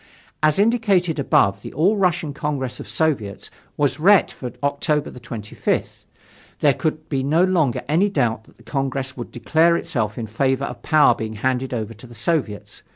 As indicated above, the All Russian Congress of Soviets was ret for October 25th. There could be no longer any doubt that the Congress would declare itself in favor of power being handed over to the Soviets.